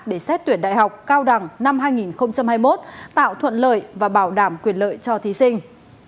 để xét tuyển đại học cao đẳng năm hai nghìn hai mươi một tạo thuận lợi và bảo đảm quyền lợi cho thí sinh